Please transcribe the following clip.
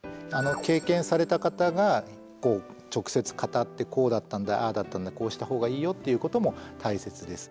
経験された方がこう直接語ってこうだったんだああだったんだこうしたほうがいいよって言うことも大切です。